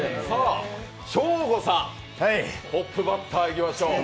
ショーゴさん、トップバッターいきましょう。